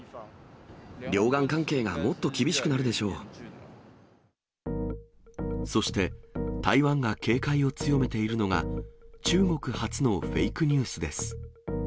両岸関係がもっと厳しくなるそして、台湾が警戒を強めているのが、中国発のフェイクニュースです。